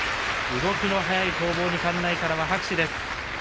動きが速い攻防に館内からは拍手です。